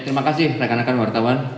terima kasih rekan rekan wartawan